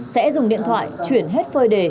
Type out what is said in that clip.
sẽ dùng điện thoại chuyển hết phơi đề